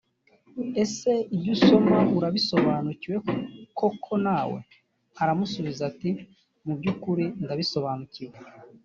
ese ibyo usoma urabisobanukiwe koko na we aramusubiza ati’’ mu byukuri ndabisobanukiwe.’’